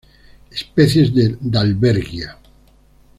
Especies de Dalbergia